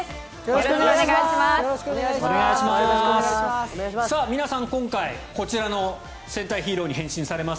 よろしくお願いします。